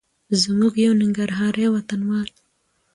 زموږ یو ننګرهاري وطنوال